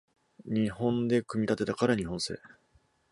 日本で組み立てたから日本製